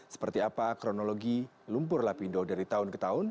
seperti apa kronologi lumpur lapindo dari tahun ke tahun